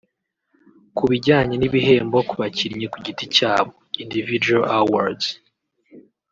Ku bijyanye n’ibihembo ku bakinnyi ku giti cyabo (Individual Awards)